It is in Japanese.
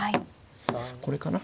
これかな。